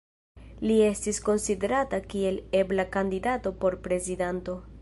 Li estis konsiderata kiel ebla kandidato por prezidanto.